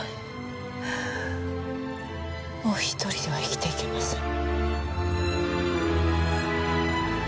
もう一人では生きていけません。